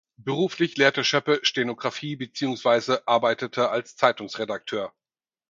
Beruflich lehrte Schöppe Stenografie beziehungsweise arbeitete als Zeitungsredakteur.